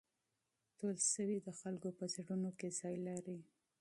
تولستوی د خلکو په زړونو کې ځای لري.